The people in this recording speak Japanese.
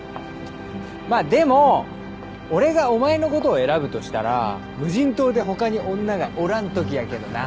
まあでも俺がお前のことを選ぶとしたら無人島で他に女がおらんときやけどな。